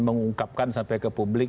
mengungkapkan sampai ke publik